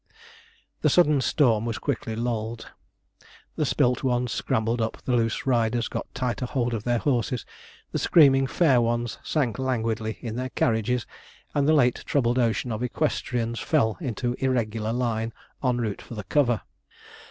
The sudden storm was quickly lulled. The spilt ones scrambled up; the loose riders got tighter hold of their horses; the screaming fair ones sank languidly in their carriages; and the late troubled ocean of equestrians fell into irregular line en route for the cover.